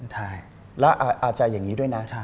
และอาจจะอย่างนี้ด้วยนะ